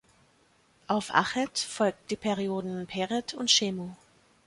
Auf Achet folgten die Perioden Peret und Schemu.